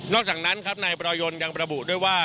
จากนั้นครับนายประรอยนยังประบุด้วยว่า